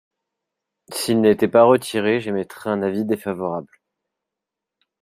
S’ils n’étaient pas retirés, j’émettrais un avis défavorable.